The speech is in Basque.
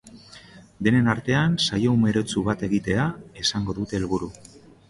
Denen artean, saio umoretsu bat egitea izango dute helburu.